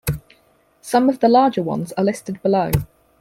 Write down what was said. Some of the larger ones are listed below.